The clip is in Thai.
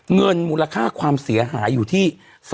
เงินมูลค่าความเสียหายอยู่ที่